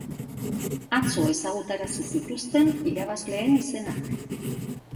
Atzo ezagutarazi zituzten irabazleen izenak.